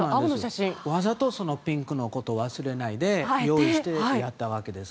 わざとピンクのことを忘れないで用意していたんです。